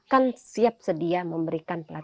kawasan memilih pengajar